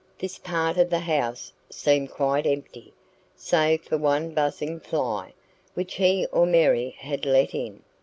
This part of the house seemed quite empty, save for one buzzing fly, which he or Mary had let in.